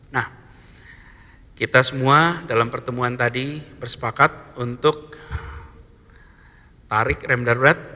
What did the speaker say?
nah kita semua dalam pertemuan tadi bersepakat untuk tarik rem darurat